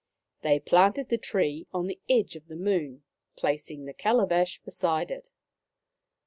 They planted the tree on the edge of the Moon, placing the calabash beside it.